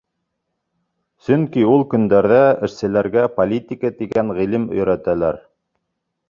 — Сөнки ул көндәрҙә эшселәргә политика тигән ғилем өйрәтәләр.